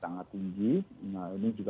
saya kata sekarang juga